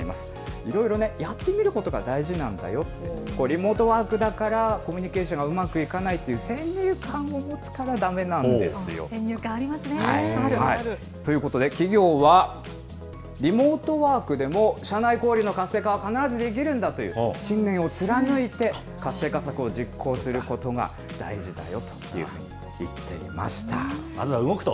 いろいろね、やってみることが大事なんだよと、リモートワークだからコミュニケーションがうまくいかないっていう先入観を持ってはだめなんですよと。ということで、企業は、リモートワークでも社内交流の活性化は必ずできるんだという信念を貫いて、活性化策を実行することが大事だよというふうに言ってまずは動くと。